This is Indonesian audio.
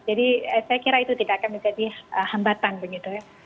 jadi saya kira itu tidak akan menjadi hambatan begitu ya